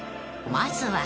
［まずは］